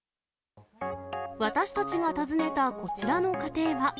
私たちが訪ねたこちらの家庭は。